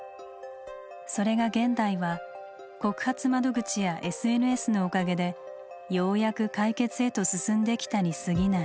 それが現代は告発窓口やＳＮＳのおかげでようやく解決へと進んできたにすぎない。